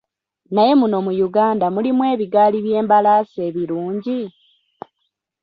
Naye muno mu Uganda mulimu ebiggaali by'embalaasi ebirungi?